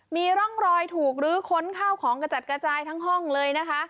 มีร่องรอยถูกลื้อค้นข้าวของกระจัดกระจายทั้งห้องเลยนะคะ